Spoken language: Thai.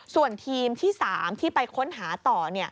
ส่วนทีมที่๓ที่ไปค้นหาต่อ